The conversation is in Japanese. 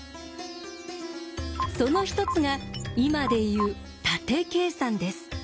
その一つが今で言う縦計算です。